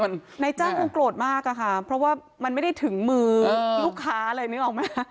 นายจ้างคงโกรธมากอะค่ะเพราะว่ามันไม่ได้ถึงมือลูกค้าเลยนึกออกไหม